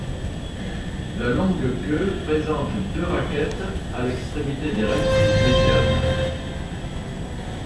La longue queue présente deux raquettes à l'extrémité des rectrices médianes.